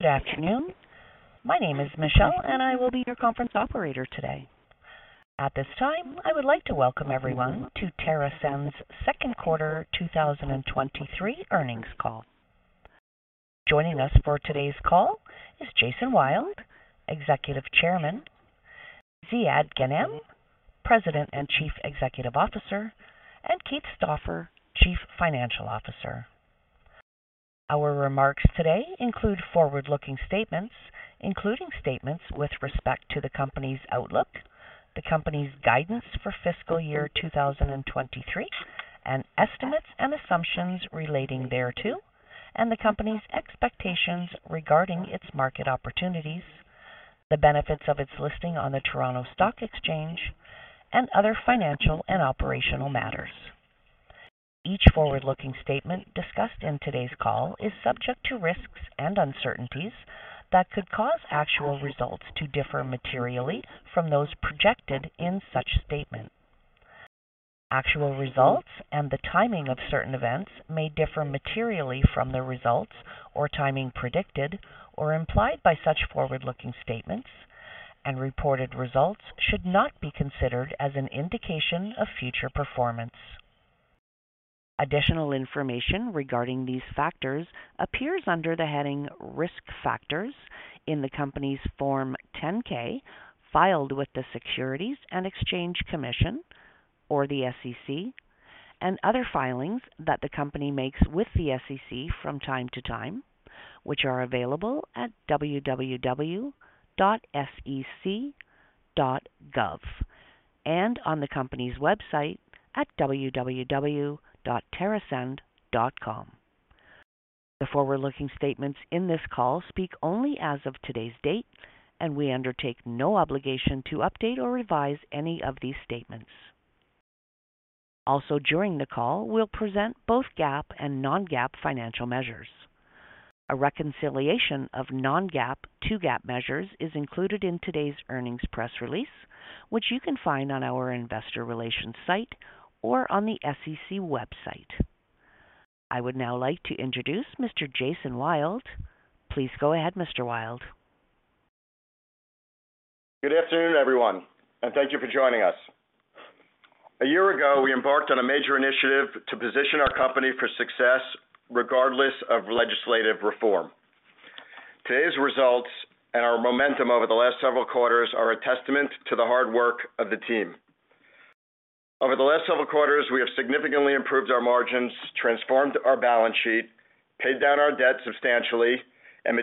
Good afternoon. My name is Michelle, and I will be your conference operator today. At this time, I would like to welcome everyone to TerrAscend's Second Quarter 2023 Earnings Call. Joining us for today's call is Jason Wild, Executive Chairman, Ziad Ghanem, President and Chief Executive Officer, and Keith Stauffer, Chief Financial Officer. Our remarks today include forward-looking statements, including statements with respect to the Company's outlook, the Company's guidance for fiscal year 2023, and estimates and assumptions relating thereto, and the Company's expectations regarding its market opportunities, the benefits of its listing on the Toronto Stock Exchange, and other financial and operational matters. Each forward-looking statement discussed in today's call is subject to risks and uncertainties that could cause actual results to differ materially from those projected in such statement. Actual results and the timing of certain events may differ materially from the results or timing predicted or implied by such forward-looking statements. Reported results should not be considered as an indication of future performance. Additional information regarding these factors appears under the heading Risk Factors in the company's Form 10-K, filed with the Securities and Exchange Commission, or the SEC, and other filings that the company makes with the SEC from time to time, which are available at www.sec.gov, and on the company's website at www.terrascend.com. The forward-looking statements in this call speak only as of today's date. We undertake no obligation to update or revise any of these statements. Also, during the call, we'll present both GAAP and non-GAAP financial measures. A reconciliation of non-GAAP to GAAP measures is included in today's earnings press release, which you can find on our investor relations site or on the SEC website. I would now like to introduce Mr. Jason Wild. Please go ahead, Mr. Wild. Good afternoon, everyone, and thank you for joining us. A year ago, we embarked on a major initiative to position our company for success, regardless of legislative reform. Today's results and our momentum over the last several quarters are a testament to the hard work of the team. Over the last several quarters, we have significantly improved our margins, transformed our balance sheet, paid down our debt substantially, and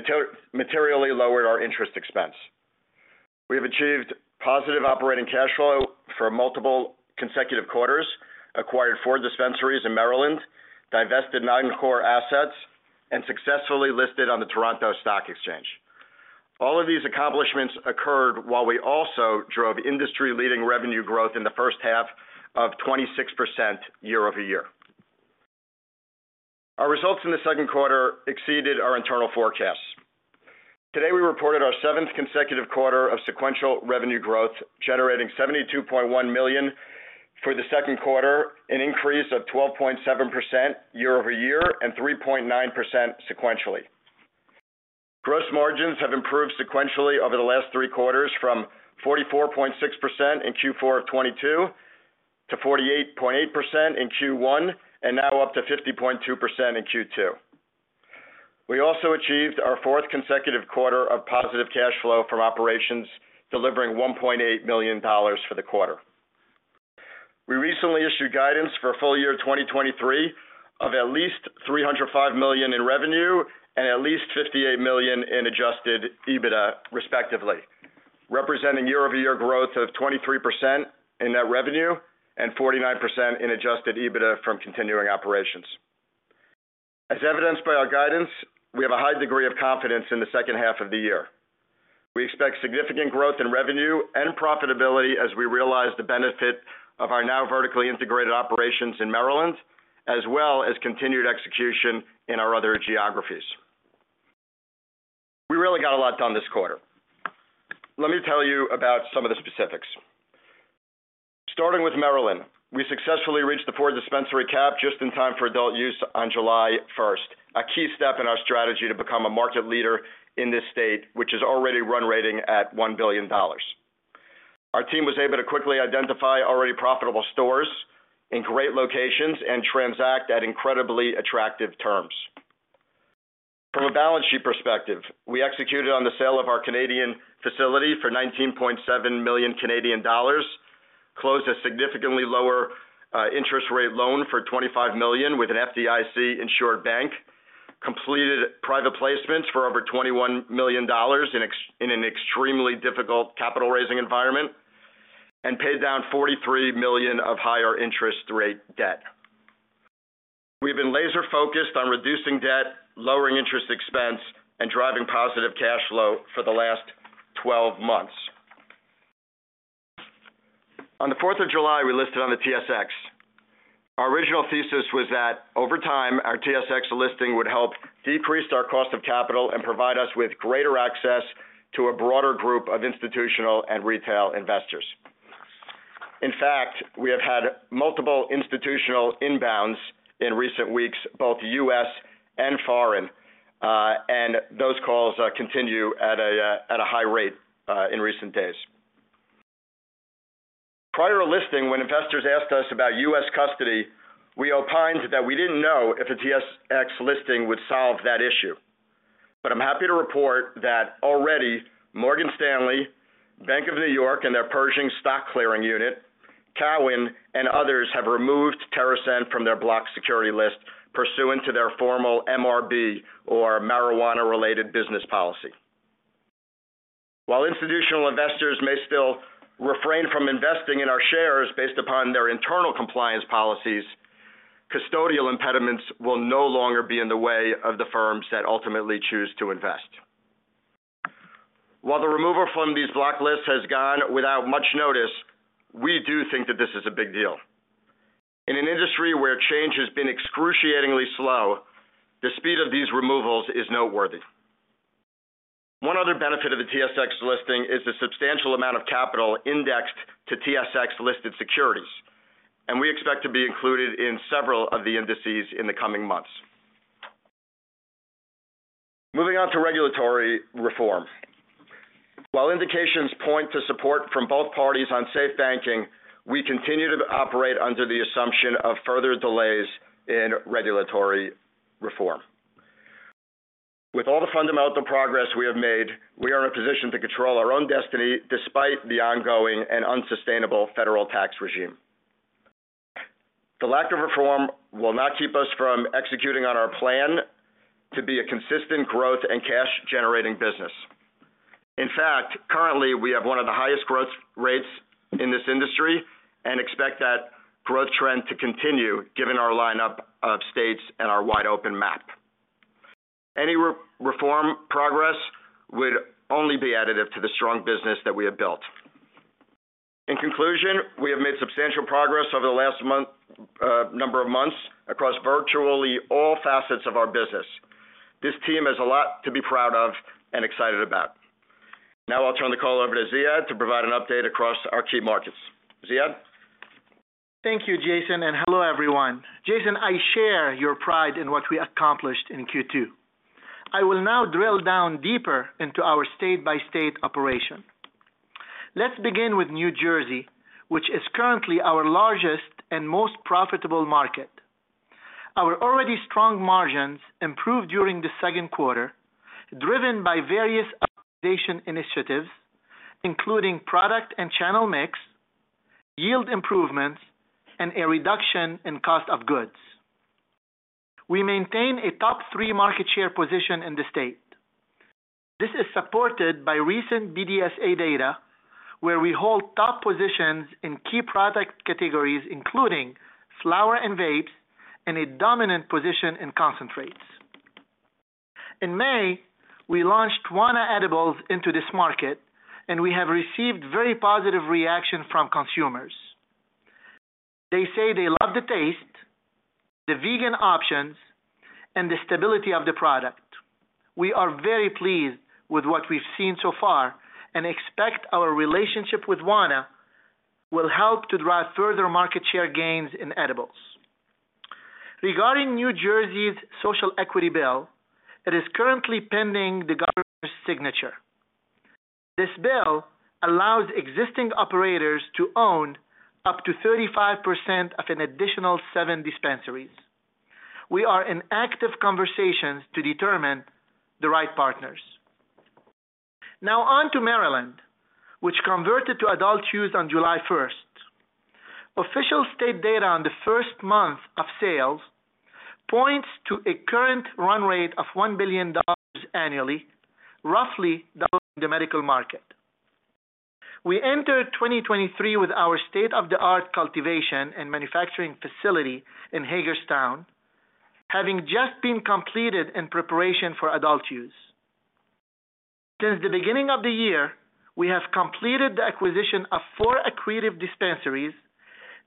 materially lowered our interest expense. We have achieved positive operating cash flow for multiple consecutive quarters, acquired four dispensaries in Maryland, divested non-core assets, and successfully listed on the Toronto Stock Exchange. All of these accomplishments occurred while we also drove industry-leading revenue growth in the first half of 26% year-over-year. Our results in the second quarter exceeded our internal forecasts. Today, we reported our seventh consecutive quarter of sequential revenue growth, generating $72.1 million for the second quarter, an increase of 12.7% year-over-year and 3.9% sequentially. Gross margins have improved sequentially over the last three quarters, from 44.6% in Q4 of 2022 to 48.8% in Q1, and now up to 50.2% in Q2. We also achieved our fourth consecutive quarter of positive cash flow from operations, delivering $1.8 million for the quarter. We recently issued guidance for full year 2023 of at least $305 million in revenue and at least $58 million in adjusted EBITDA, respectively, representing year-over-year growth of 23% in net revenue and 49% in adjusted EBITDA from continuing operations. As evidenced by our guidance, we have a high degree of confidence in the second half of the year. We expect significant growth in revenue and profitability as we realize the benefit of our now vertically integrated operations in Maryland, as well as continued execution in our other geographies. We really got a lot done this quarter. Let me tell you about some of the specifics. Starting with Maryland, we successfully reached the four dispensary cap just in time for adult use on July first, a key step in our strategy to become a market leader in this state, which is already run rating at $1 billion. Our team was able to quickly identify already profitable stores in great locations and transact at incredibly attractive terms. From a balance sheet perspective, we executed on the sale of our Canadian facility for 19.7 million Canadian dollars, closed a significantly lower interest rate loan for $25 million with an FDIC-insured bank, completed private placements for over $21 million in an extremely difficult capital raising environment, and paid down $43 million of higher interest rate debt. We've been laser-focused on reducing debt, lowering interest expense, and driving positive cash flow for the last 12 months. On the 4 July, we listed on the TSX. Our original thesis was that over time, our TSX listing would help decrease our cost of capital and provide us with greater access to a broader group of institutional and retail investors. In fact, we have had multiple institutional inbounds in recent weeks, both U.S. and foreign, and those calls continue at a high rate in recent days. Prior to listing, when investors asked us about U.S. custody, we opined that we didn't know if a TSX listing would solve that issue. I'm happy to report that already Morgan Stanley, Bank of New York, and their Pershing stock clearing unit, Cowen, and others have removed TerrAscend from their blocked security list, pursuant to their formal MRB or marijuana-related business policy. While institutional investors may still refrain from investing in our shares based upon their internal compliance policies, custodial impediments will no longer be in the way of the firms that ultimately choose to invest. While the removal from these blocked lists has gone without much notice, we do think that this is a big deal. In an industry where change has been excruciatingly slow, the speed of these removals is noteworthy. One other benefit of the TSX listing is the substantial amount of capital indexed to TSX-listed securities, and we expect to be included in several of the indices in the coming months. Moving on to regulatory reform. While indications point to support from both parties on SAFE Banking, we continue to operate under the assumption of further delays in regulatory reform. With all the fundamental progress we have made, we are in a position to control our own destiny, despite the ongoing and unsustainable federal tax regime. The lack of reform will not keep us from executing on our plan to be a consistent growth and cash-generating business. In fact, currently, we have one of the highest growth rates in this industry and expect that growth trend to continue, given our lineup of states and our wide-open map. Any reform progress would only be additive to the strong business that we have built. In conclusion, we have made substantial progress over the last month, number of months, across virtually all facets of our business. This team has a lot to be proud of and excited about. Now I'll turn the call over to Ziad to provide an update across our key markets. Ziad? Thank you, Jason, and hello, everyone. Jason, I share your pride in what we accomplished in Q2. I will now drill down deeper into our state-by-state operation. Let's begin with New Jersey, which is currently our largest and most profitable market. Our already strong margins improved during the second quarter, driven by various optimization initiatives, including product and channel mix, yield improvements, and a reduction in cost of goods. We maintain a top three market share position in the state. This is supported by recent BDSA data, where we hold top positions in key product categories, including flower and vapes, and a dominant position in concentrates. In May, we launched Wana edibles into this market, and we have received very positive reaction from consumers. They say they love the taste, the vegan options, and the stability of the product. We are very pleased with what we've seen so far and expect our relationship with Wana will help to drive further market share gains in edibles. Regarding New Jersey's social equity bill, it is currently pending the governor's signature. This bill allows existing operators to own up to 35% of an additional seven dispensaries. We are in active conversations to determine the right partners. On to Maryland, which converted to adult use on July 1. Official state data on the first month of sales points to a current run rate of $1 billion annually, roughly doubling the medical market. We entered 2023 with our state-of-the-art cultivation and manufacturing facility in Hagerstown, having just been completed in preparation for adult use. Since the beginning of the year, we have completed the acquisition of four accretive dispensaries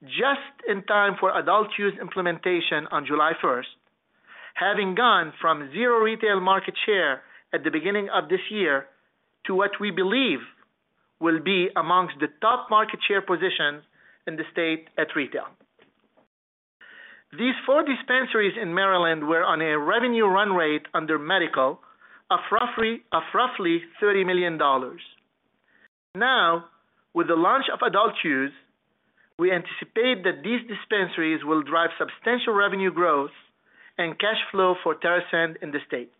just in time for adult use implementation on July 1, having gone from zero retail market share at the beginning of this year to what we believe will be amongst the top market share positions in the state at retail. These four dispensaries in Maryland were on a revenue run rate under medical of roughly $30 million. Now, with the launch of adult use, we anticipate that these dispensaries will drive substantial revenue growth and cash flow for TerrAscend in the state.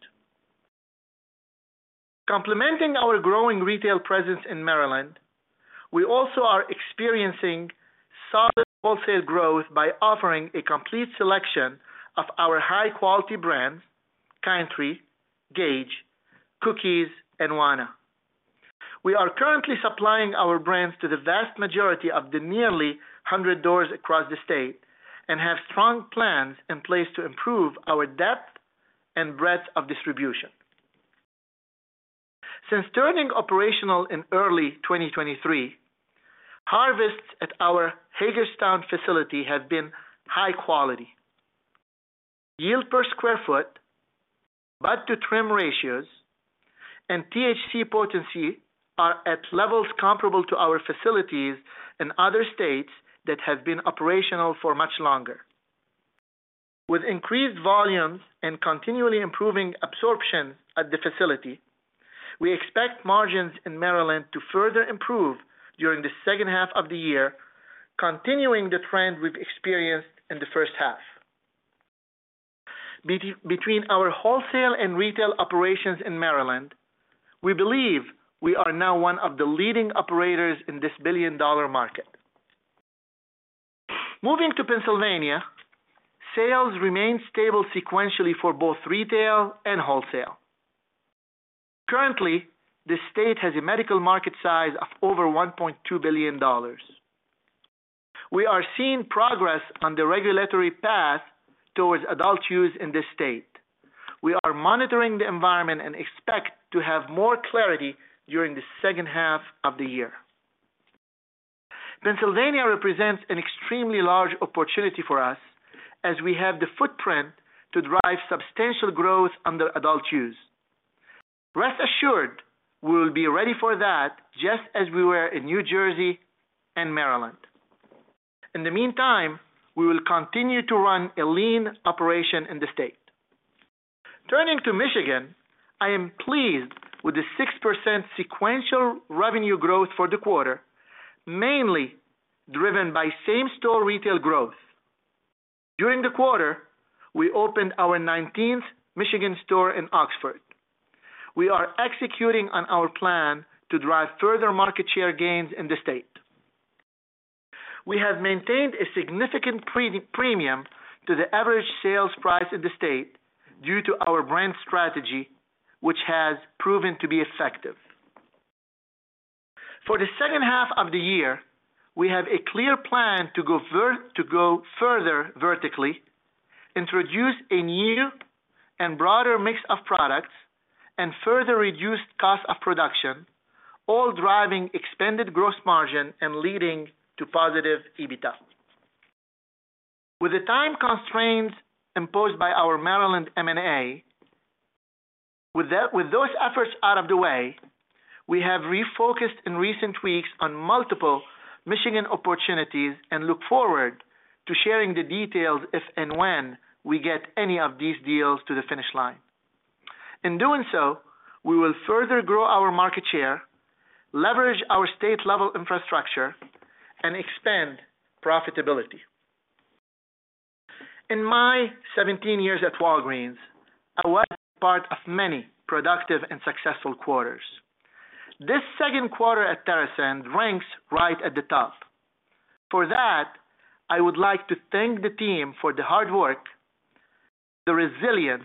Complementing our growing retail presence in Maryland, we also are experiencing solid wholesale growth by offering a complete selection of our high-quality brands, Kind Tree, Gage, Cookies, and Wana. We are currently supplying our brands to the vast majority of the nearly 100 doors across the state and have strong plans in place to improve our depth and breadth of distribution. Since turning operational in early 2023, harvests at our Hagerstown facility have been high quality. Yield per square foot, bud to trim ratios, and THC potency are at levels comparable to our facilities in other states that have been operational for much longer. With increased volumes and continually improving absorption at the facility, we expect margins in Maryland to further improve during the second half of the year, continuing the trend we've experienced in the first half. Between our wholesale and retail operations in Maryland, we believe we are now one of the leading operators in this billion market. Moving to Pennsylvania, sales remained stable sequentially for both retail and wholesale. Currently, the state has a medical market size of over $1.2 billion. We are seeing progress on the regulatory path towards adult use in this state. We are monitoring the environment and expect to have more clarity during the second half of the year. Pennsylvania represents an extremely large opportunity for us as we have the footprint to drive substantial growth under adult use. Rest assured, we will be ready for that, just as we were in New Jersey and Maryland. In the meantime, we will continue to run a lean operation in the state. Turning to Michigan, I am pleased with the 6% sequential revenue growth for the quarter, mainly driven by same-store retail growth. During the quarter, we opened our 19th Michigan store in Oxford. We are executing on our plan to drive further market share gains in the state. We have maintained a significant premium to the average sales price in the state due to our brand strategy, which has proven to be effective. For the second half of the year, we have a clear plan to go further vertically, introduce a new and broader mix of products, and further reduce cost of production, all driving expanded gross margin and leading to positive EBITDA. With the time constraints imposed by our Maryland M&A, with those efforts out of the way, we have refocused in recent weeks on multiple Michigan opportunities and look forward to sharing the details if and when we get any of these deals to the finish line. In doing so, we will further grow our market share, leverage our state-level infrastructure, and expand profitability. In my 17 years at Walgreens, I was part of many productive and successful quarters. This second quarter at TerrAscend ranks right at the top. For that, I would like to thank the team for the hard work, the resilience,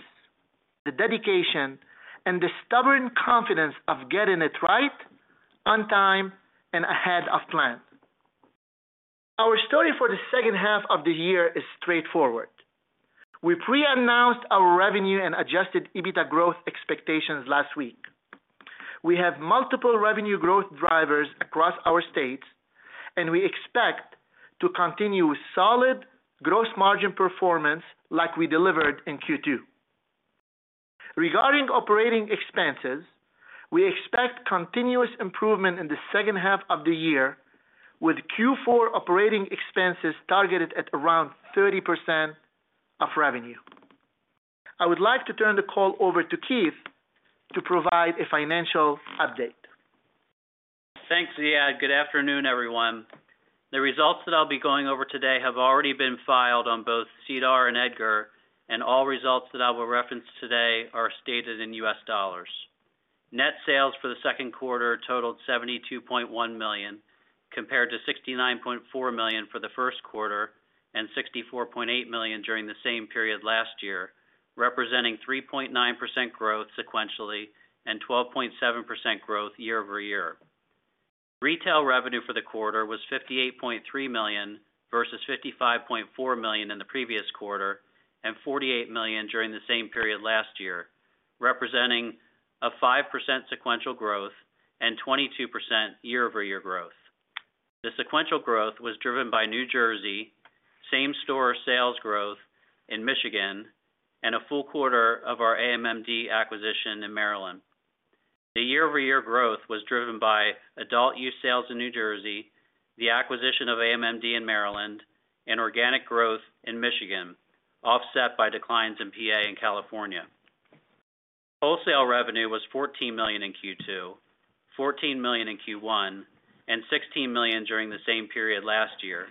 the dedication, and the stubborn confidence of getting it right, on time, and ahead of plan. Our story for the second half of the year is straightforward. We pre-announced our revenue and adjusted EBITDA growth expectations last week. We have multiple revenue growth drivers across our states, and we expect to continue solid gross margin performance like we delivered in Q2. Regarding operating expenses, we expect continuous improvement in the second half of the year, with Q4 operating expenses targeted at around 30% of revenue. I would like to turn the call over to Keith to provide a financial update. Thanks, Ziad. Good afternoon, everyone. The results that I'll be going over today have already been filed on both SEDAR and EDGAR, and all results that I will reference today are stated in U.S. dollars. Net sales for the second quarter totaled $72.1 million, compared to $69.4 million for the first quarter and $64.8 million during the same period last year, representing 3.9% growth sequentially and 12.7% growth year-over-year. Retail revenue for the quarter was $58.3 million versus $55.4 million in the previous quarter and $48 million during the same period last year, representing a 5% sequential growth and 22% year-over-year growth. The sequential growth was driven by New Jersey, same-store sales growth in Michigan, and a full quarter of our AMMD acquisition in Maryland. The year-over-year growth was driven by adult use sales in New Jersey, the acquisition of AMMD in Maryland, and organic growth in Michigan, offset by declines in PA and California. Wholesale revenue was $14 million in Q2, $14 million in Q1, and $16 million during the same period last year,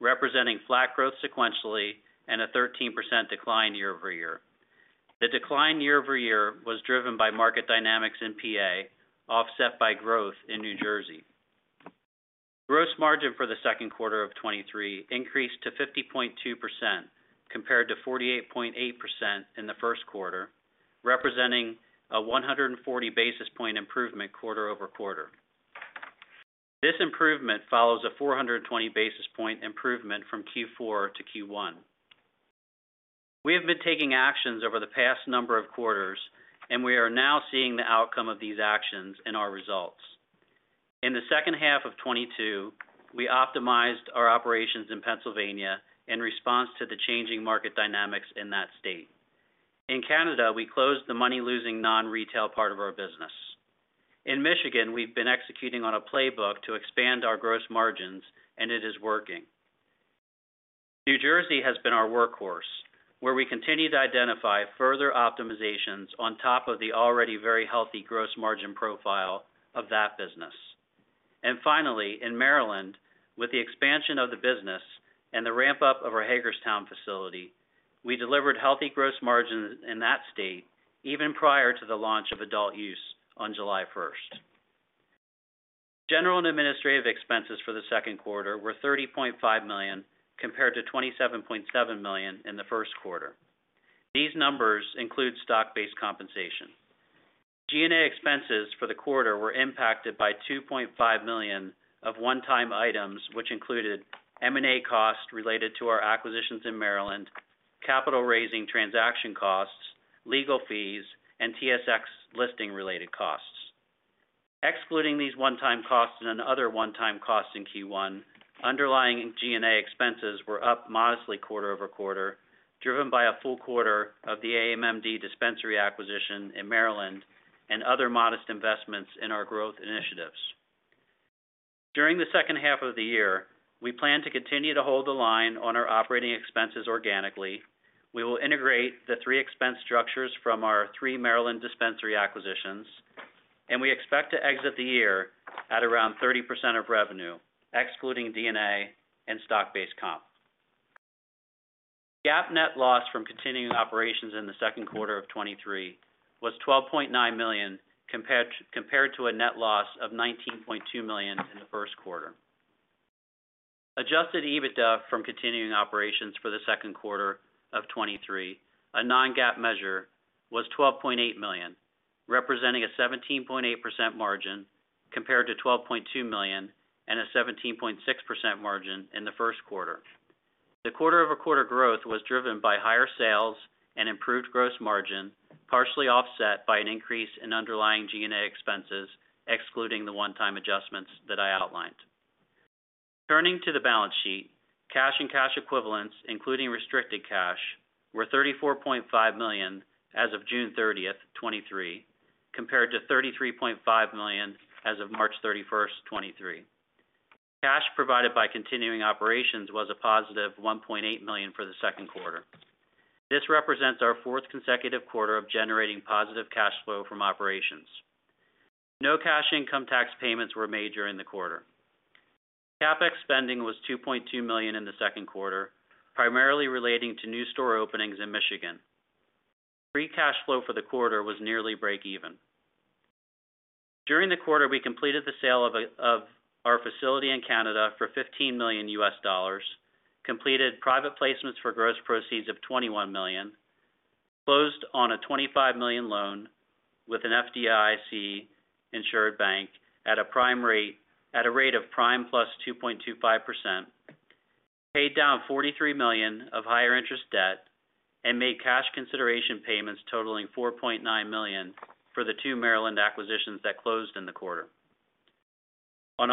representing flat growth sequentially and a 13% decline year-over-year. The decline year-over-year was driven by market dynamics in PA, offset by growth in New Jersey. Gross margin for the second quarter of 2023 increased to 50.2%, compared to 48.8% in the first quarter, representing a 140 basis point improvement quarter-over-quarter. This improvement follows a 420 basis point improvement from Q4 to Q1. We have been taking actions over the past number of quarters, and we are now seeing the outcome of these actions in our results. In the second half of 2022, we optimized our operations in Pennsylvania in response to the changing market dynamics in that state. In Canada, we closed the money-losing non-retail part of our business. In Michigan, we've been executing on a playbook to expand our gross margins, and it is working. New Jersey has been our workhorse, where we continue to identify further optimizations on top of the already very healthy gross margin profile of that business. Finally, in Maryland, with the expansion of the business and the ramp-up of our Hagerstown facility, we delivered healthy gross margins in that state even prior to the launch of adult use on July 1. General and administrative expenses for the second quarter were $30.5 million, compared to $27.7 million in the first quarter. These numbers include stock-based compensation. G&A expenses for the quarter were impacted by $2.5 million of one-time items, which included M&A costs related to our acquisitions in Maryland, capital raising transaction costs, legal fees, and TSX listing-related costs. Excluding these one-time costs and other one-time costs in Q1, underlying G&A expenses were up modestly quarter-over-quarter, driven by a full quarter of the AMMD dispensary acquisition in Maryland and other modest investments in our growth initiatives. During the second half of the year, we plan to continue to hold the line on our operating expenses organically. We will integrate the three expense structures from our three Maryland dispensary acquisitions, and we expect to exit the year at around 30% of revenue, excluding G&A and stock-based comp. GAAP net loss from continuing operations in Q2 2023 was $12.9 million, compared to a net loss of $19.2 million in the first quarter. Adjusted EBITDA from continuing operations for Q2 2023, a non-GAAP measure, was $12.8 million, representing a 17.8% margin compared to $12.2 million and a 17.6% margin in the first quarter. The quarter-over-quarter growth was driven by higher sales and improved gross margin, partially offset by an increase in underlying G&A expenses, excluding the one-time adjustments that I outlined. Turning to the balance sheet, cash and cash equivalents, including restricted cash, were $34.5 million as of June 30, 2023, compared to $33.5 million as of March 31, 2023. Cash provided by continuing operations was a positive $1.8 million for the second quarter. This represents our fourth consecutive quarter of generating positive cash flow from operations. No cash income tax payments were major in the quarter. CapEx spending was $2.2 million in the second quarter, primarily relating to new store openings in Michigan. Free cash flow for the quarter was nearly break even. During the quarter, we completed the sale of our facility in Canada for $15 million, completed private placements for gross proceeds of $21 million, closed on a $25 million loan with an FDIC-insured bank at a rate of prime + 2.25%, paid down $43 million of higher interest debt, and made cash consideration payments totaling $4.9 million for the two Maryland acquisitions that closed in the quarter. In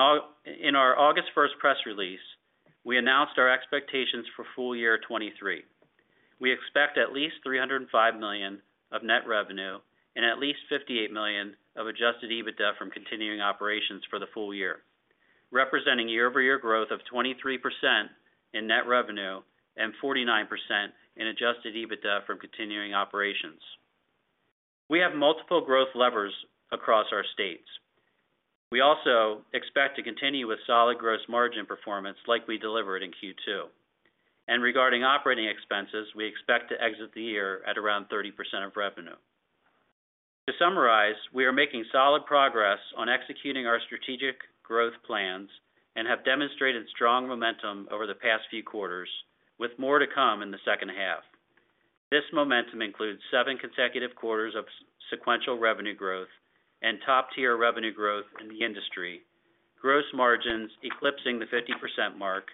our August 1, press release, we announced our expectations for full year 2023. We expect at least $305 million of net revenue and at least $58 million of adjusted EBITDA from continuing operations for the full year, representing year-over-year growth of 23% in net revenue and 49% in adjusted EBITDA from continuing operations. We have multiple growth levers across our states. We also expect to continue with solid gross margin performance like we delivered in Q2. Regarding operating expenses, we expect to exit the year at around 30% of revenue. To summarize, we are making solid progress on executing our strategic growth plans and have demonstrated strong momentum over the past few quarters, with more to come in the second half. This momentum includes seven consecutive quarters of sequential revenue growth and top-tier revenue growth in the industry, gross margins eclipsing the 50% mark,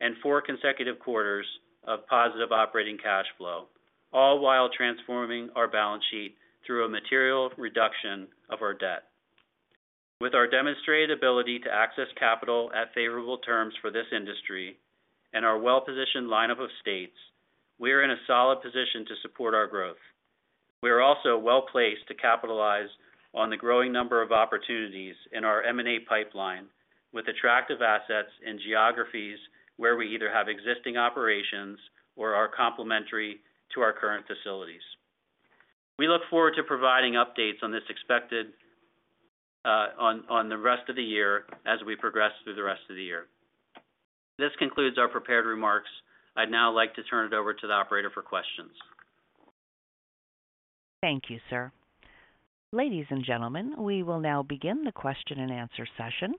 and four consecutive quarters of positive operating cash flow, all while transforming our balance sheet through a material reduction of our debt. With our demonstrated ability to access capital at favorable terms for this industry and our well-positioned lineup of states, we are in a solid position to support our growth. We are also well-placed to capitalize on the growing number of opportunities in our M&A pipeline, with attractive assets in geographies where we either have existing operations or are complementary to our current facilities. We look forward to providing updates on this expected on the rest of the year as we progress through the rest of the year. This concludes our prepared remarks. I'd now like to turn it over to the operator for questions. Thank you, sir. Ladies and gentlemen, we will now begin the question-and-answer session.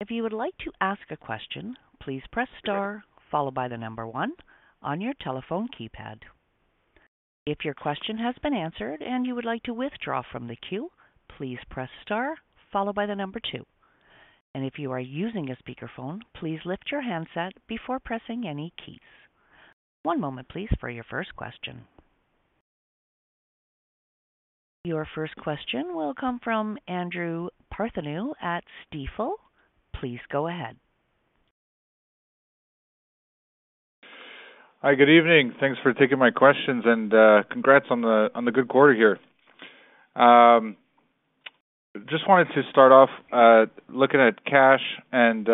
If you would like to ask a question, please press star one on your telephone keypad. If your question has been answered and you would like to withdraw from the queue, please press star two. If you are using a speakerphone, please lift your handset before pressing any keys. 1 moment, please, for your first question. Your first question will come from Andrew Partheniou at Stifel. Please go ahead. Hi, good evening. Thanks for taking my questions, and congrats on the good quarter here. Just wanted to start off looking at cash, and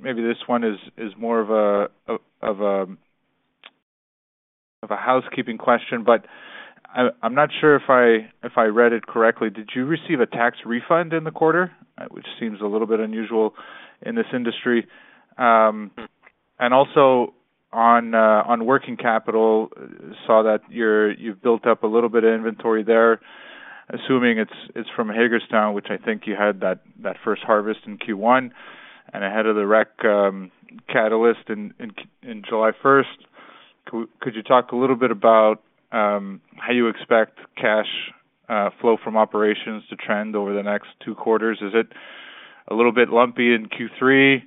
maybe this one is more of a housekeeping question, but I'm not sure if I read it correctly. Did you receive a tax refund in the quarter? Which seems a little bit unusual in this industry. Also on working capital, saw that you've built up a little bit of inventory there. Assuming it's from Hagerstown, which I think you had that 1st harvest in Q1 and ahead of the rec catalyst in July 1st. Could you talk a little bit about how you expect cash flow from operations to trend over the next two quarters? Is it a little bit lumpy in Q3,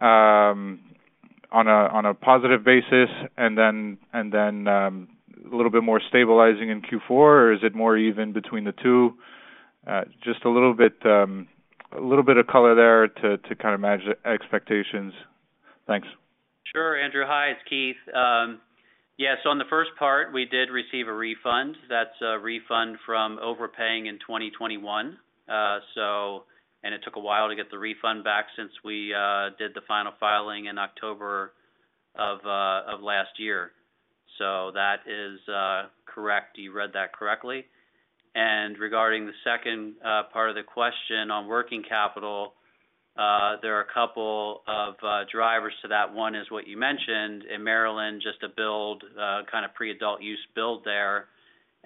on a, on a positive basis and then, and then, a little bit more stabilizing in Q4, or is it more even between the two? Just a little bit, a little bit of color there to, to kind of manage the expectations. Thanks. Sure, Andrew Partheniou. Hi, it's Keith. Yeah, so on the first part, we did receive a refund. That's a refund from overpaying in 2021. It took a while to get the refund back since we did the final filing in October of last year. So that is correct. You read that correctly. Regarding the second part of the question on working capital, there are a couple of drivers to that. One is what you mentioned in Maryland, just a build, kind of pre-adult use build there.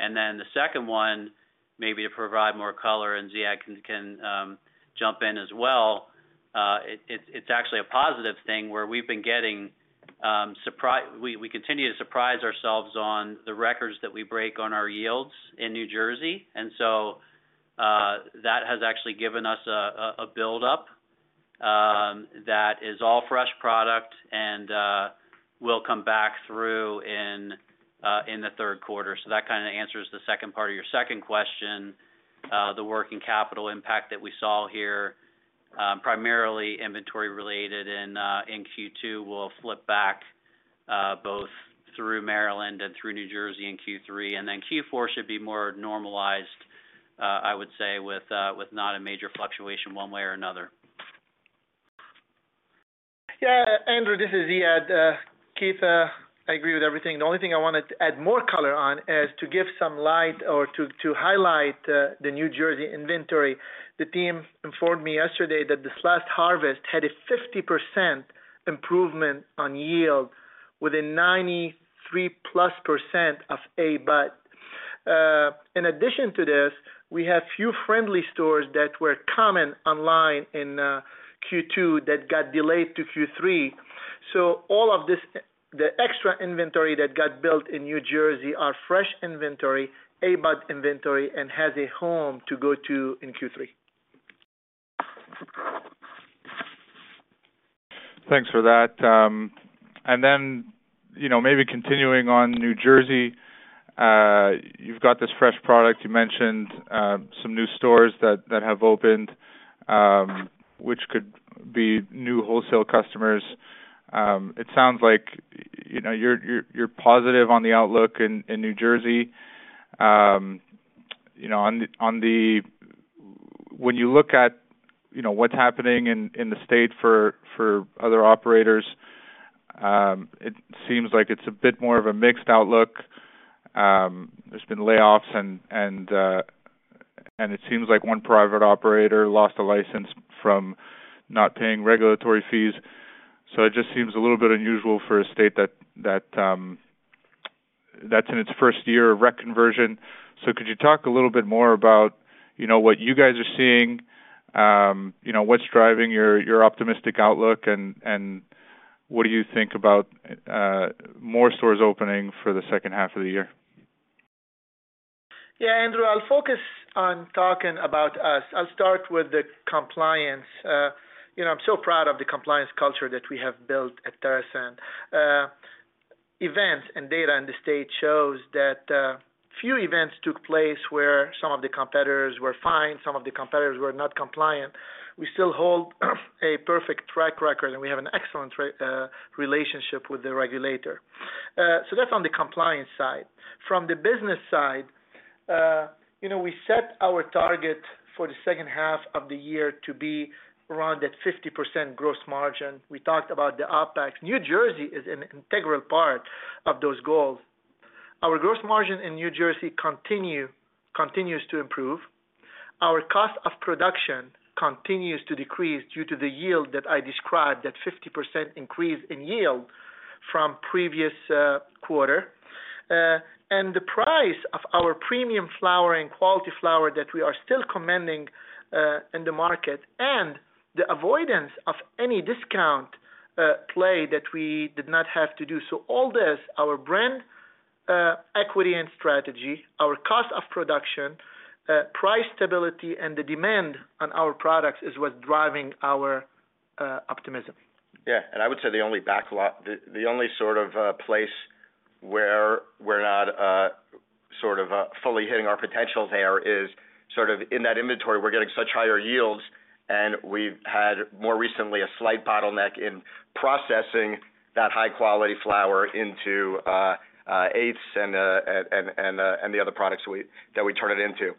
And then the second one, maybe to provide more color, and Ziad can, can jump in as well. It's actually a positive thing where we continue to surprise ourselves on the records that we break on our yields in New Jersey. That has actually given us a buildup that is all fresh product and will come back through in the third quarter. That kind of answers the second part of your second question. The working capital impact that we saw here, primarily inventory related in Q2, will flip back both through Maryland and through New Jersey in Q3. Q4 should be more normalized, I would say, with not a major fluctuation one way or another. Yeah, Andrew, this is Ziad. Keith, I agree with everything. The only thing I wanted to add more color on is to give some light or to, to highlight, the New Jersey inventory. The team informed me yesterday that this last harvest had a 50% improvement on yield with a 93+% of A bud. In addition to this, we have few friendly stores that were coming online in Q2, that got delayed to Q3. All of this, the extra inventory that got built in New Jersey are fresh inventory, A bud inventory, and has a home to go to in Q3. Thanks for that. Then, you know, maybe continuing on New Jersey, you've got this fresh product. You mentioned, some new stores that, that have opened, which could be new wholesale customers. It sounds like, you know, you're, you're, you're positive on the outlook in, in New Jersey. You know, when you look at, you know, what's happening in, in the state for, for other operators, it seems like it's a bit more of a mixed outlook. There's been layoffs and, and, it seems like one private operator lost a license from not paying regulatory fees. It just seems a little bit unusual for a state that, that, that's in its first year of rec conversion. Could you talk a little bit more about, you know, what you guys are seeing? You know, what's driving your, your optimistic outlook, and, and what do you think about, more stores opening for the second half of the year? Andrew, I'll focus on talking about us. I'll start with the compliance. you know, I'm so proud of the compliance culture that we have built at TerrAscend. Events and data in the state shows that few events took place where some of the competitors were fine, some of the competitors were not compliant. We still hold a perfect track record, and we have an excellent relationship with the regulator. That's on the compliance side. From the business side, you know, we set our target for the second half of the year to be around that 50% gross margin. We talked about the OpEx. New Jersey is an integral part of those goals. Our gross margin in New Jersey continues to improve. Our cost of production continues to decrease due to the yield that I described, that 50% increase in yield from previous quarter. The price of our premium flower and quality flower that we are still commanding in the market, and the avoidance of any discount play that we did not have to do. All this, our brand equity and strategy, our cost of production, price stability, and the demand on our products is what's driving our optimism. Yeah, I would say the only backlog, the, the only sort of place where we're not sort of fully hitting our potential there is sort of in that inventory, we're getting such higher yields, and we've had more recently a slight bottleneck in processing that high-quality flower into eighths and the other products that we turn it into.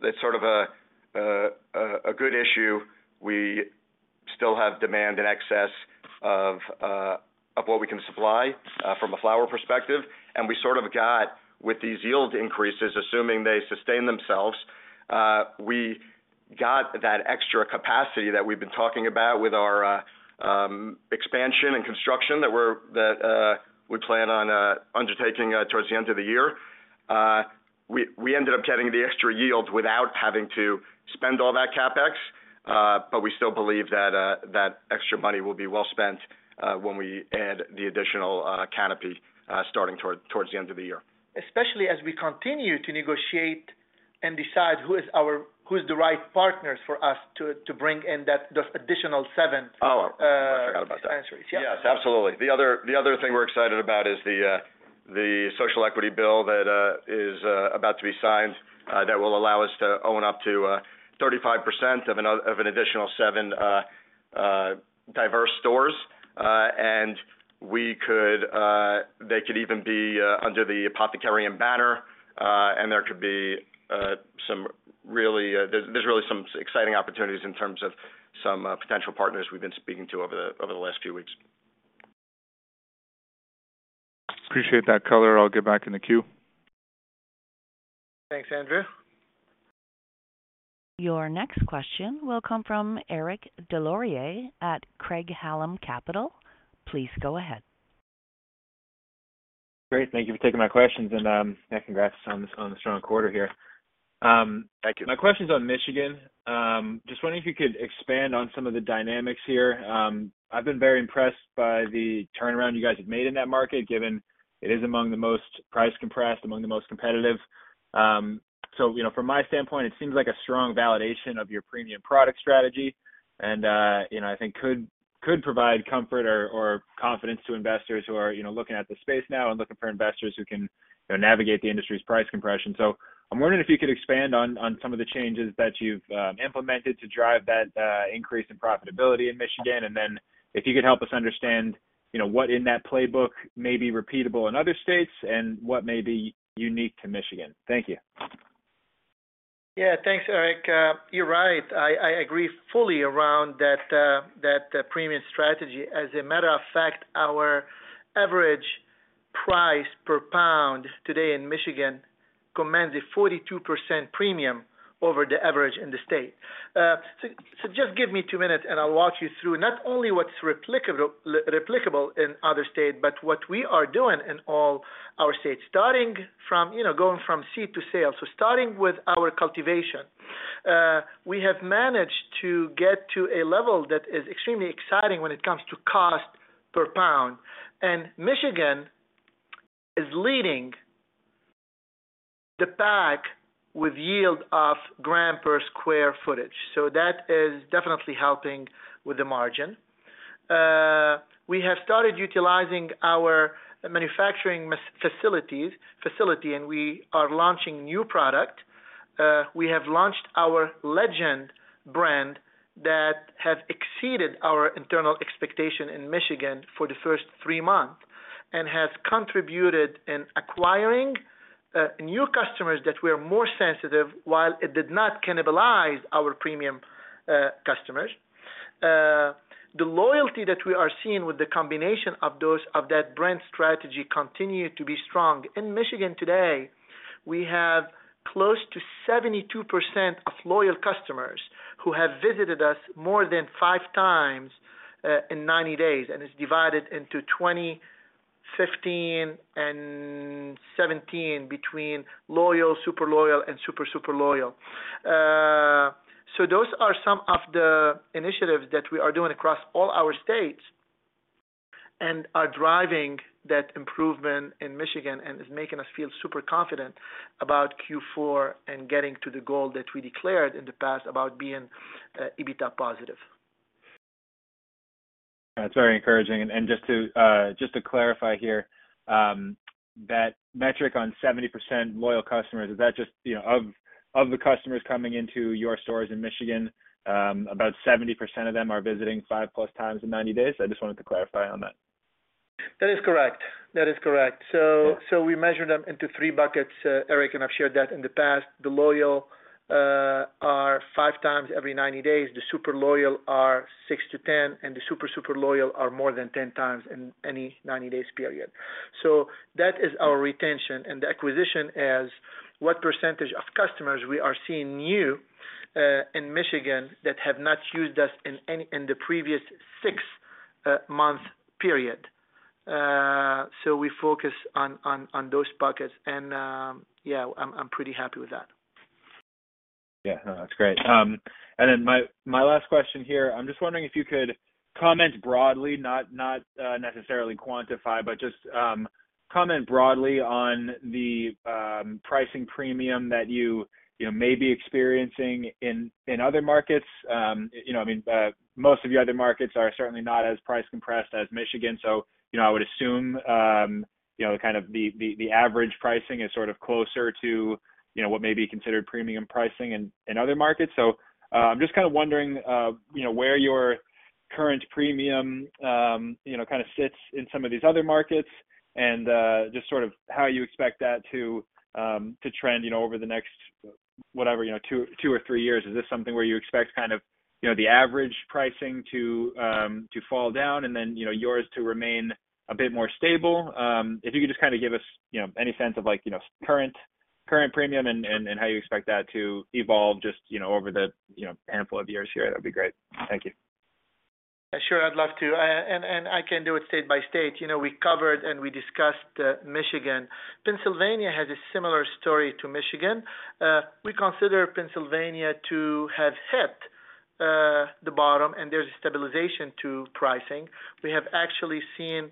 That's sort of a good issue. We still have demand in excess of what we can supply from a flower perspective, and we sort of got with these yield increases, assuming they sustain themselves, we got that extra capacity that we've been talking about with our expansion and construction that we're that we plan on undertaking towards the end of the year. We, we ended up getting the extra yields without having to spend all that CapEx, but we still believe that extra money will be well spent when we add the additional canopy starting towards the end of the year. Especially as we continue to negotiate and decide who is the right partners for us to bring in that, those additional seven. Oh, I forgot about that. Yes. Yes, absolutely. The other, the other thing we're excited about is the social equity bill that is about to be signed that will allow us to own up to 35% of an additional seven diverse stores. We could, they could even be under the Apothecarium banner, there could be some really... There's, there's really some exciting opportunities in terms of some potential partners we've been speaking to over the, over the last few weeks. Appreciate that color. I'll get back in the queue. Thanks, Andrew. Your next question will come from Eric Des Lauriers at Craig-Hallum Capital. Please go ahead. Great, thank you for taking my questions, and, yeah, congrats on the, on the strong quarter here. Thank you. My question's on Michigan. Just wondering if you could expand on some of the dynamics here. I've been very impressed by the turnaround you guys have made in that market, given it is among the most price compressed, among the most competitive. You know, from my standpoint, it seems like a strong validation of your premium product strategy, and, you know, I think could, could provide comfort or, or confidence to investors who are, you know, looking at the space now and looking for investors who can, you know, navigate the industry's price compression. I'm wondering if you could expand on, on some of the changes that you've implemented to drive that increase in profitability in Michigan. Then if you could help us understand, you know, what in that playbook may be repeatable in other states and what may be unique to Michigan. Thank you. Yeah, thanks, Eric. You're right. I, I agree fully around that, that, premium strategy. As a matter of fact, our average price per pound today in Michigan commands a 42% premium over the average in the state. Just give me 2 minutes, and I'll walk you through not only what's replicable, replicable in other states, but what we are doing in all our states, starting from, you know, going from seed to sale. Starting with our cultivation, we have managed to get to a level that is extremely exciting when it comes to cost per pound. Michigan is leading the pack with yield of gram per sq ft, so that is definitely helping with the margin. We have started utilizing our manufacturing facilities, facility, and we are launching new product. We have launched our Legend brand that has exceeded our internal expectation in Michigan for the first 3 months and has contributed in acquiring new customers that we are more sensitive, while it did not cannibalize our premium customers. The loyalty that we are seeing with the combination of those, of that brand strategy continued to be strong. In Michigan today, we have close to 72% of loyal customers who have visited us more than 5x in 90 days, and it's divided into 20, 15, and 17 between loyal, super loyal, and super, super loyal. Those are some of the initiatives that we are doing across all our states and are driving that improvement in Michigan and is making us feel super confident about Q4 and getting to the goal that we declared in the past about being EBITDA positive. That's very encouraging. Just to clarify here, that metric on 70% loyal customers, is that just, you know, of, of the customers coming into your stores in Michigan, about 70% of them are visiting 5+ times in 90 days? I just wanted to clarify on that. That is correct. That is correct. we measure them into three buckets, Eric, and I've shared that in the past. The loyal are 5x every 90 days, the super loyal are 6x-10x, and the super, super loyal are more than 10x in any 90 days period. That is our retention and the acquisition is what percentage of customers we are seeing new in Michigan that have not used us in the previous 6-month period. we focus on those buckets and, yeah, I'm pretty happy with that. Yeah, no, that's great. Then my, my last question here, I'm just wondering if you could comment broadly, not, not necessarily quantify, but just comment broadly on the pricing premium that you, you know, may be experiencing in, in other markets. You know, I mean, most of your other markets are certainly not as price compressed as Michigan. You know, I would assume, you know, kind of the, the, the average pricing is sort of closer to, you know, what may be considered premium pricing in, in other markets. I'm just kind of wondering, you know, where your current premium, you know, kind of sits in some of these other markets and just sort of how you expect that to trend, you know, over the next, whatever, you know, 2 or 3 years. Is this something where you expect kind of, you know, the average pricing to, to fall down and then, you know, yours to remain a bit more stable? If you could just kind of give us, you know, any sense of like, you know, current, current premium and, and, and how you expect that to evolve just, you know, over the, you know, handful of years here, that'd be great. Thank you. Sure, I'd love to. And, and I can do it state by state. You know, we covered and we discussed Michigan. Pennsylvania has a similar story to Michigan. We consider Pennsylvania to have hit the bottom, and there's a stabilization to pricing. We have actually seen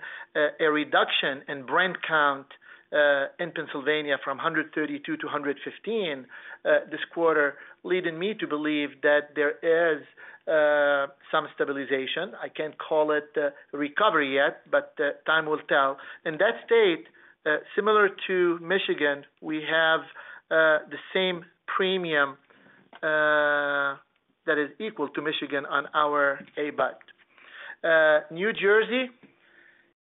a reduction in brand count in Pennsylvania from 132 to 115 this quarter, leading me to believe that there is some stabilization. I can't call it recovery yet, but time will tell. In that state, similar to Michigan, we have the same premium that is equal to Michigan on our A-bud. New Jersey.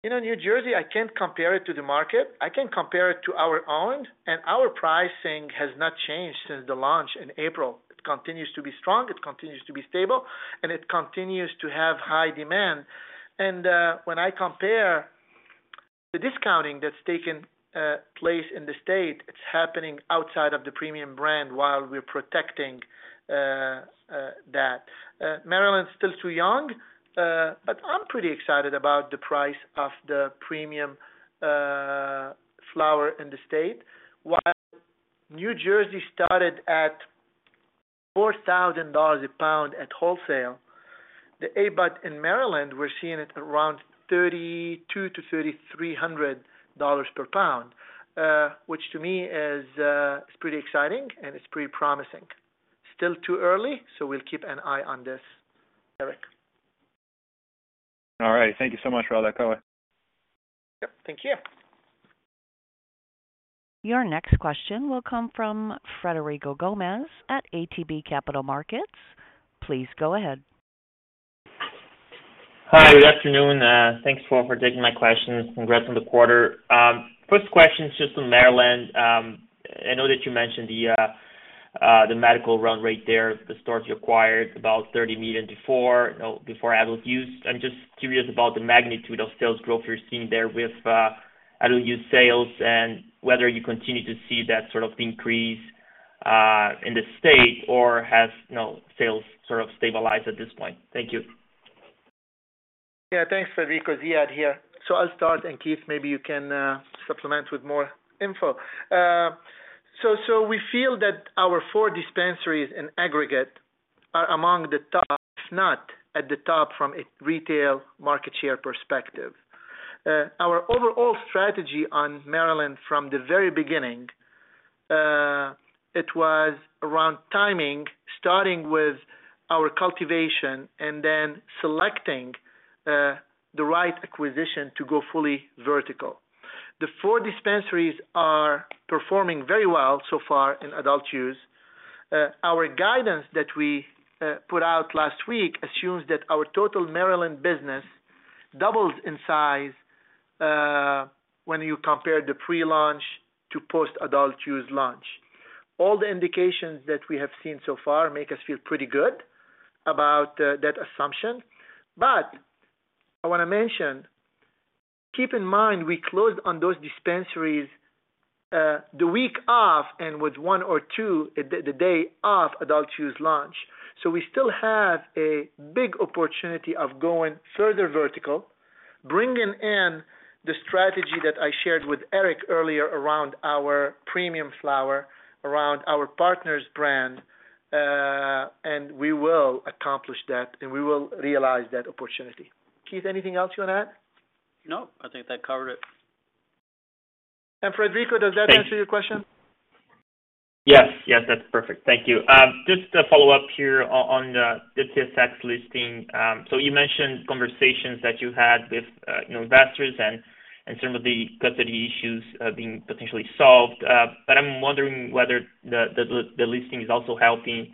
You know, New Jersey, I can't compare it to the market. I can compare it to our own, and our pricing has not changed since the launch in April. It continues to be strong, it continues to be stable, and it continues to have high demand. When I compare the discounting that's taken place in the state, it's happening outside of the premium brand while we're protecting that. Maryland's still too young, but I'm pretty excited about the price of the premium flower in the state. While New Jersey started at $4,000 a pound at wholesale, the A-bud in Maryland, we're seeing it around $3,200-$3,300 per pound, which to me is pretty exciting, and it's pretty promising. Still too early, so we'll keep an eye on this, Eric. All right. Thank you so much for the color. Yep. Thank you. Your next question will come from Frederico Gomes at ATB Capital Markets. Please go ahead. Hi, good afternoon. Thanks for taking my questions. Congrats on the quarter. First question is just on Maryland. I know that you mentioned the medical run rate there, the stores you acquired, about $30 million before, before adult use. I'm just curious about the magnitude of sales growth you're seeing there with adult use sales and whether you continue to see that sort of increase in the state, or has, you know, sales sort of stabilized at this point? Thank you. Yeah, thanks, Frederico. Ziad here. I'll start, and Keith, maybe you can supplement with more info. We feel that our four dispensaries in aggregate are among the top, if not at the top, from a retail market share perspective. Our overall strategy on Maryland from the very beginning, it was around timing, starting with our cultivation and then selecting the right acquisition to go fully vertical. The four dispensaries are performing very well so far in adult use. Our guidance that we put out last week assumes that our total Maryland business doubles in size, when you compare the pre-launch to post-adult-use launch. All the indications that we have seen so far make us feel pretty good about that assumption. I want to mention, keep in mind, we closed on those dispensaries, the week of, and with one or two, the day of adult use launch. We still have a big opportunity of going further vertical, bringing in the strategy that I shared with Eric earlier around our premium flower, around our partners brand, and we will accomplish that, and we will realize that opportunity. Keith, anything else you want to add? No, I think that covered it. Frederico, does that answer your question? Yes. Yes, that's perfect. Thank you. Just a follow-up here on the TSX listing. You mentioned conversations that you had with, you know, investors and, and some of the custody issues being potentially solved. I'm wondering whether the, the, the listing is also helping, you know,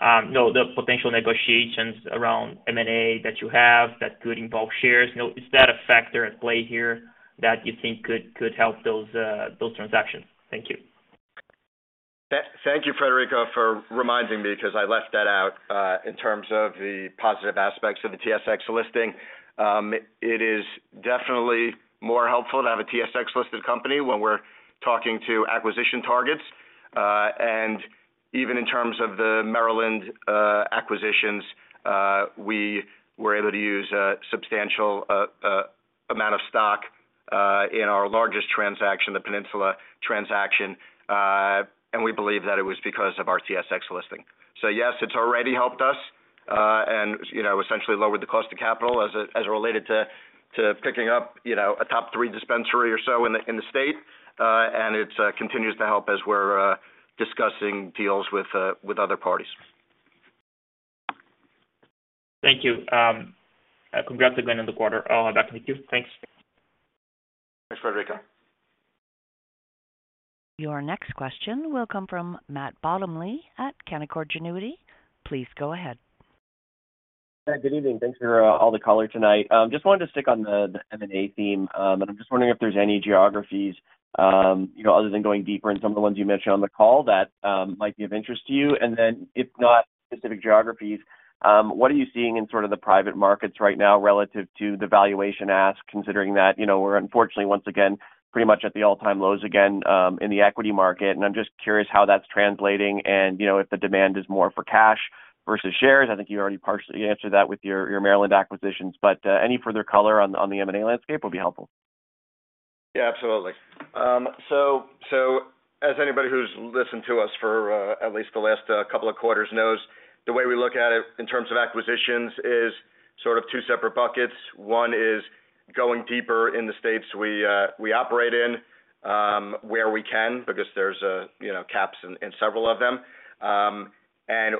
the potential negotiations around M&A that you have that could involve shares. You know, is that a factor at play here that you think could, could help those transactions? Thank you. Thank you, Frederico, for reminding me, because I left that out, in terms of the positive aspects of the TSX listing. It is definitely more helpful to have a TSX-listed company when we're talking to acquisition targets. Even in terms of the Maryland acquisitions, we were able to use a substantial amount of stock in our largest transaction, the Peninsula transaction, and we believe that it was because of our TSX listing. Yes, it's already helped us, and, you know, essentially lowered the cost of capital as, as related to, to picking up, you know, a top three dispensary or so in the, in the state. It continues to help as we're discussing deals with other parties. Thank you. congrats again on the quarter. I'll back to the queu. Thanks. Thanks, Federico. Your next question will come from Matt Bottomley at Canaccord Genuity. Please go ahead. Hi, good evening. Thanks for all the color tonight. Just wanted to stick on the M&A theme. I'm just wondering if there's any geographies, you know, other than going deeper in some of the ones you mentioned on the call, that might be of interest to you. Then, if not specific geographies, what are you seeing in sort of the private markets right now relative to the valuation ask, considering that, you know, we're unfortunately, once again, pretty much at the all-time lows again, in the equity market, and I'm just curious how that's translating and, you know, if the demand is more for cash versus shares? I think you already partially answered that with your Maryland acquisitions, but any further color on the M&A landscape would be helpful. Yeah, absolutely. As anybody who's listened to us for at least the last couple of quarters knows, the way we look at it in terms of acquisitions is sort of 2 separate buckets. One is going deeper in the states we operate in, where we can, because there's, you know, caps in several of them.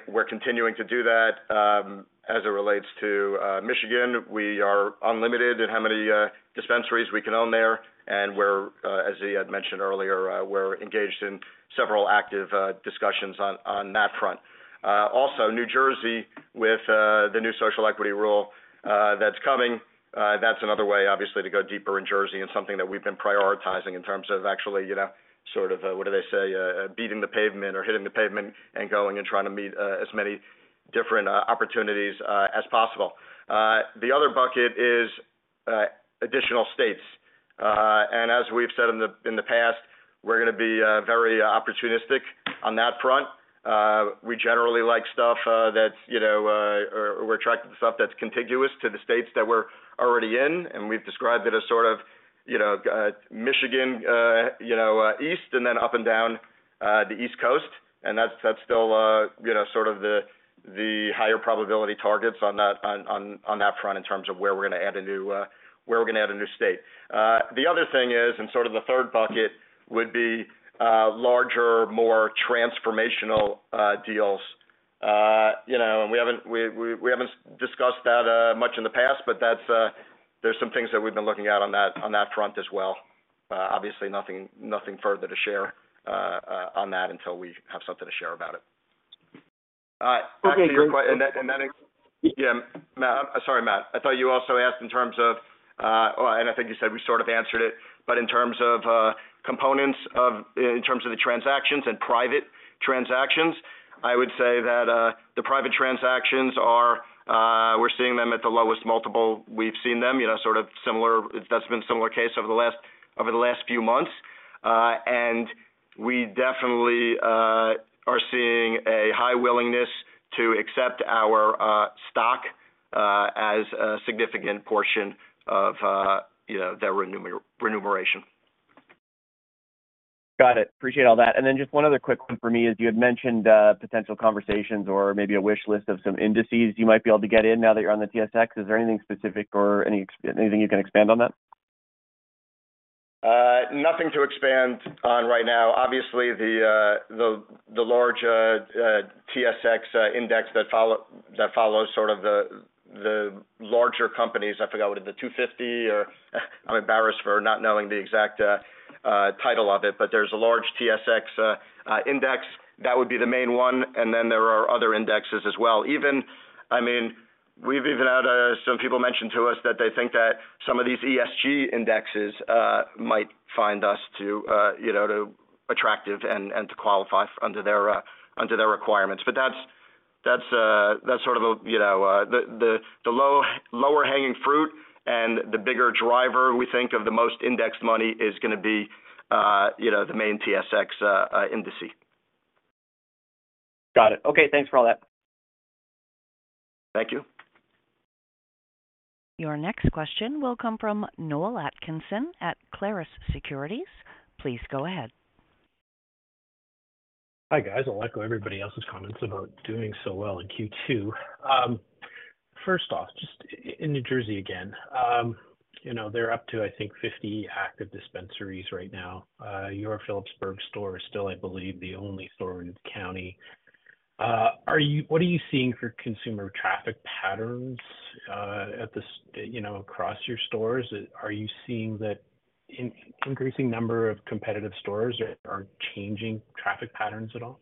We're continuing to do that. As it relates to Michigan, we are unlimited in how many dispensaries we can own there, and we're as Ziad mentioned earlier, we're engaged in several active discussions on that front. Also, New Jersey, with the new social equity rule, that's coming, that's another way, obviously, to go deeper in Jersey and something that we've been prioritizing in terms of actually, you know, sort of, what do they say, beating the pavement or hitting the pavement and going and trying to meet as many different opportunities as possible. The other bucket is additional states. As we've said in the, in the past, we're going to be very opportunistic on that front. We generally like stuff, that's, you know, or we're attracted to stuff that's contiguous to the states that we're already in, and we've described it as sort of, you know, Michigan, you know, east and then up and down, the East Coast, and that's, that's still, you know, sort of the, the higher probability targets on that front in terms of where we're going to add a new state. The other thing is, sort of the third bucket, would be, larger, more transformational, deals. You know, we haven't discussed that, much in the past, but that's, there's some things that we've been looking at on that, on that front as well. Obviously, nothing, nothing further to share on that until we have something to share about it. Yeah, Matt, sorry, Matt, I thought you also asked in terms of, oh, and I think you said we sort of answered it, but in terms of components of, in terms of the transactions and private transactions, I would say that the private transactions are we're seeing them at the lowest multiple we've seen them, you know, that's been a similar case over the last, over the last few months. We definitely are seeing a high willingness to accept our stock as a significant portion of, you know, their remuneration. Got it. Appreciate all that. Just one other quick one for me is, you had mentioned, potential conversations or maybe a wish list of some indices you might be able to get in now that you're on the TSX. Is there anything specific or any, anything you can expand on that? Nothing to expand on right now. Obviously, the large TSX index that follow, that follows sort of the larger companies. I forgot, what, is it the 250 or I'm embarrassed for not knowing the exact title of it, but there's a large TSX index. That would be the main one, and then there are other indexes as well. Even, I mean, we've even had some people mention to us that they think that some of these ESG indexes might find us to, you know, to attractive and to qualify under their, under their requirements. That's, that's, that's sort of a, you know, the, the, the lower hanging fruit and the bigger driver, we think, of the most indexed money is going to be, you know, the main TSX indices. Got it. Okay, thanks for all that. Thank you. Your next question will come from Noel Atkinson at Clarus Securities. Please go ahead. Hi, guys. I'd like to everybody else's comments about doing so well in Q2. First off, just in New Jersey again. You know, they're up to, I think, 50 active dispensaries right now. Your Phillipsburg store is still, I believe, the only store in the county. What are you seeing for consumer traffic patterns, at the, you know, across your stores? Are you seeing that in increasing number of competitive stores are, are changing traffic patterns at all?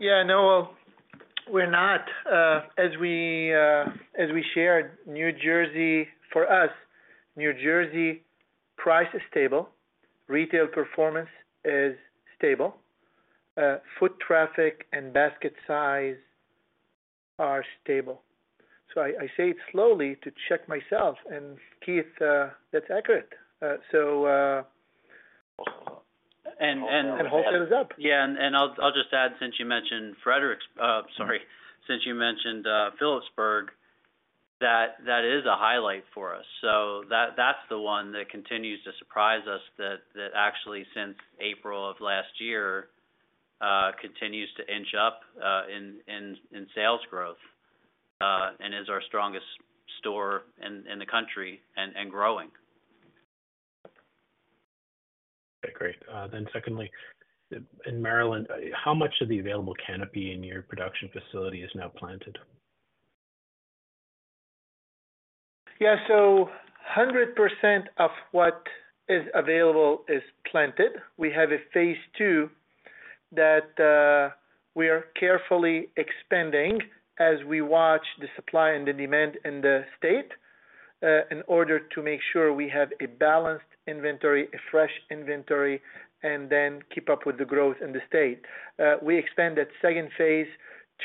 Yeah, Noel, we're not. As we, as we shared, New Jersey, for us, New Jersey, price is stable, retail performance is stable, foot traffic and basket size are stable. I, I say it slowly to check myself and, Keith, that's accurate. Yeah, and, and I'll, I'll just add, since you mentioned Frederick's, sorry, since you mentioned, Phillipsburg, that, that is a highlight for us. That, that's the one that continues to surprise us, that, that actually, since April of last year, continues to inch up, in, in, in sales growth, and is our strongest store in, in the country and, and growing. Okay, great. Secondly, in Maryland, how much of the available canopy in your production facility is now planted? Yeah, 100% of what is available is planted. We have a phase 2 that we are carefully expanding as we watch the supply and the demand in the state in order to make sure we have a balanced inventory, a fresh inventory, and then keep up with the growth in the state. We expect that second phase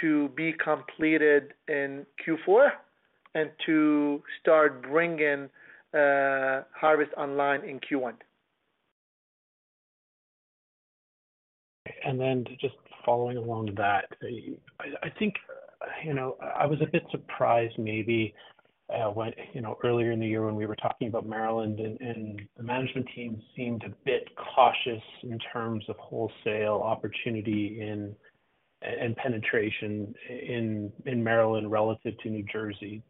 to be completed in Q4 and to start bringing harvest online in Q1. Just following along with that, I, I think, you know, I was a bit surprised, maybe, when, you know, earlier in the year when we were talking about Maryland, and, and the management team seemed a bit cautious in terms of wholesale opportunity and, and penetration in, in Maryland relative to New Jersey.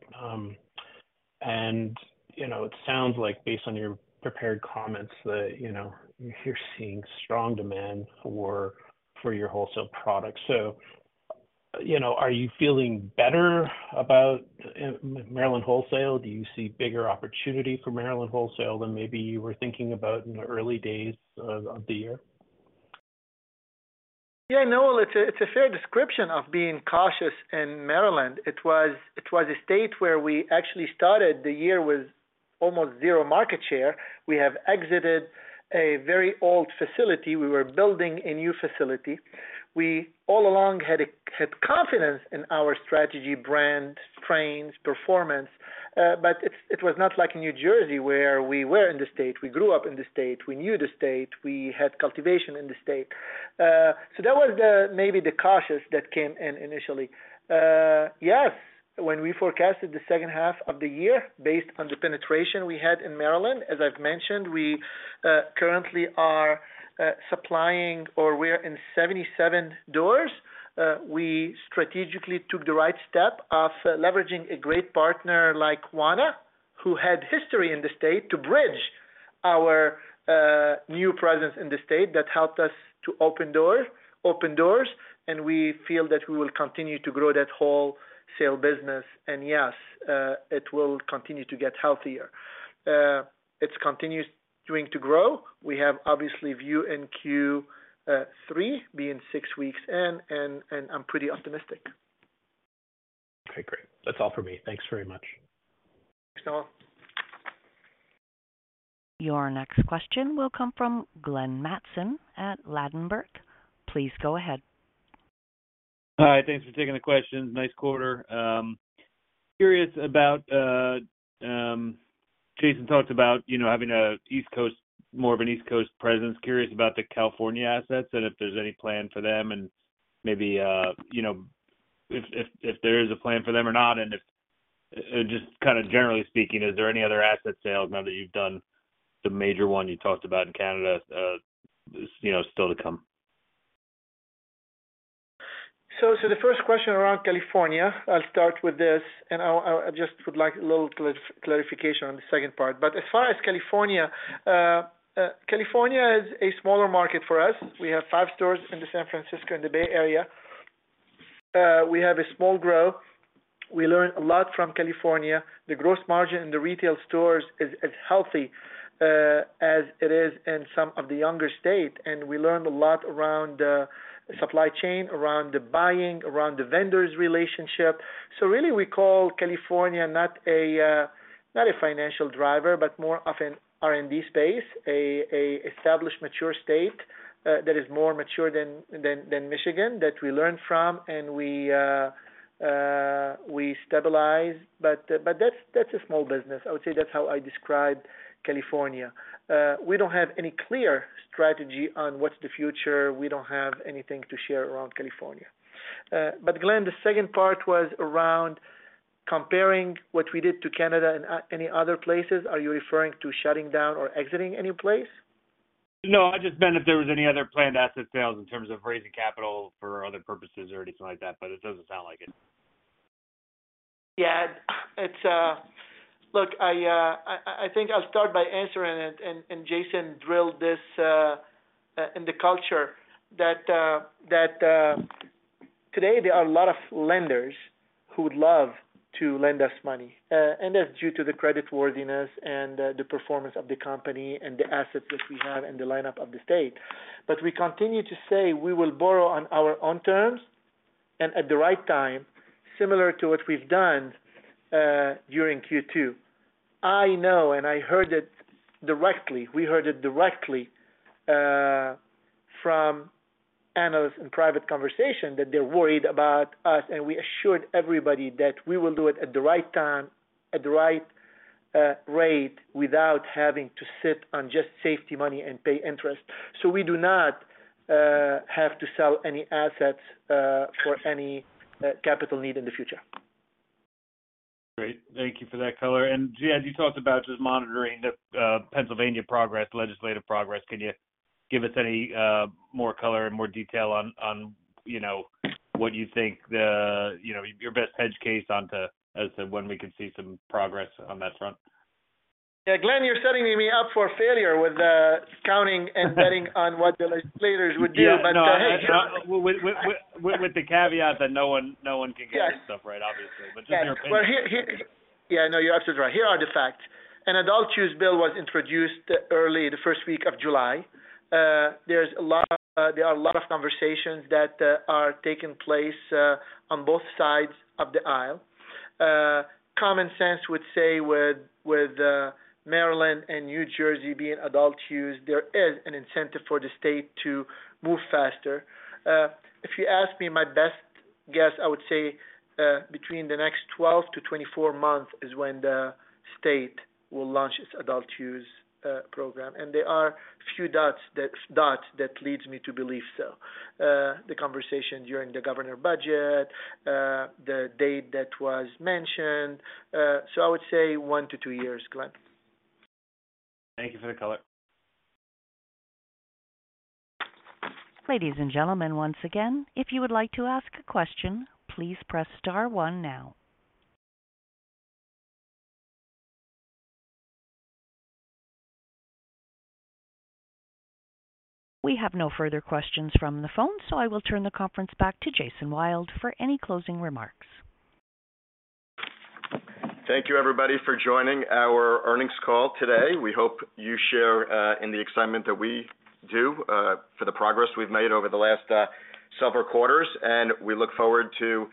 You know, it sounds like based on your prepared comments that, you know, you're seeing strong demand for, for your wholesale products. You know, are you feeling better about Maryland wholesale? Do you see bigger opportunity for Maryland wholesale than maybe you were thinking about in the early days of, of the year? Yeah, Noel, it's a, it's a fair description of being cautious in Maryland. It was, it was a state where we actually started the year with almost zero market share. We have exited a very old facility. We were building a new facility. We all along had a, had confidence in our strategy, brand, strains, performance, but it, it was not like in New Jersey, where we were in the state. We grew up in the state, we knew the state, we had cultivation in the state. so that was the, maybe the cautious that came in initially. Yes, when we forecasted the second half of the year, based on the penetration we had in Maryland, as I've mentioned, we, currently are, supplying or we're in 77 doors. We strategically took the right step of leveraging a great partner like Wana, who had history in the state, to bridge our new presence in the state. That helped us to open doors, open doors, and we feel that we will continue to grow that wholesale business. Yes, it will continue to get healthier. It's continuing to grow. We have obviously view in Q3, being 6 weeks in, and I'm pretty optimistic. Okay, great. That's all for me. Thanks very much. Thanks, Noel. Your next question will come from Glenn Mattson at Ladenburg. Please go ahead. Hi, thanks for taking the questions. Nice quarter. Curious about, Jason talked about, you know, having a East Coast, more of an East Coast presence. Curious about the California assets and if there's any plan for them, and maybe, you know, if, if, if there is a plan for them or not, and if, just kind of generally speaking, is there any other asset sales now that you've done the major one you talked about in Canada, you know, still to come? The first question around California, I'll start with this, and I'll just would like a little clarification on the second part. As far as California, California is a smaller market for us. We have five stores in the San Francisco, in the Bay Area. We have a small growth. We learned a lot from California. The gross margin in the retail stores is, is healthy, as it is in some of the younger state, and we learned a lot around supply chain, around the buying, around the vendors' relationship. Really, we call California not a, not a financial driver, but more of an R&D space, a established, mature state, that is more mature than Michigan, that we learn from and we stabilize. That's, that's a small business. I would say that's how I describe California. We don't have any clear strategy on what's the future. We don't have anything to share around California. Glenn, the second part was around comparing what we did to Canada and any other places. Are you referring to shutting down or exiting any place? No, I just meant if there was any other planned asset sales in terms of raising capital for other purposes or anything like that, but it doesn't sound like it. Yeah, it's... Look, I, I, I think I'll start by answering it, and, and Jason drilled this in the culture, that, that, today there are a lot of lenders who would love to lend us money, and that's due to the creditworthiness and, the performance of the company and the assets which we have and the lineup of the state. But we continue to say we will borrow on our own terms and at the right time, similar to what we've done during Q2. I know, and I heard it directly, we heard it directly, analysts in private conversation that they're worried about us, and we assured everybody that we will do it at the right time, at the right rate, without having to sit on just safety money and pay interest. We do not have to sell any assets for any capital need in the future. Great. Thank you for that color. Ziad, as you talked about just monitoring the Pennsylvania progress, legislative progress, can you give us any more color and more detail on, on, you know, what you think the, you know, your best hedge case onto as to when we can see some progress on that front? Yeah, Glenn, you're setting me up for failure with counting and betting on what the legislators would do. Yeah, no, with the caveat that no one, no one can get this stuff right, obviously. Just your opinion. Well, here, here... Yeah, no, you're absolutely right. Here are the facts. An Adult use bill was introduced early, the first week of July. There's a lot, there are a lot of conversations that are taking place on both sides of the aisle. Common sense would say with, with, Maryland and New Jersey being Adult use, there is an incentive for the state to move faster. If you ask me, my best guess, I would say between the next 12-24 months is when the state will launch its Adult use program. There are a few dots, that dots that leads me to believe so. The conversation during the governor budget, the date that was mentioned, so I would say 1-2 years, Glenn. Thank you for the color. Ladies and gentlemen, once again, if you would like to ask a question, please press star one now. We have no further questions from the phone, I will turn the conference back to Jason Wild for any closing remarks. Thank you, everybody, for joining our earnings call today. We hope you share in the excitement that we do for the progress we've made over the last several quarters. We look forward to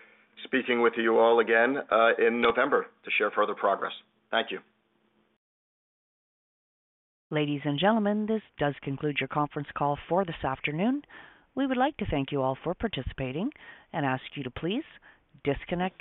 speaking with you all again in November to share further progress. Thank you. Ladies and gentlemen, this does conclude your conference call for this afternoon. We would like to thank you all for participating and ask you to please disconnect your-